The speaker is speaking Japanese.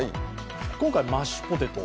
今回、マッシュポテト。